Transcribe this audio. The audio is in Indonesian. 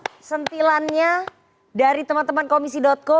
oke sentilannya dari teman teman komisi co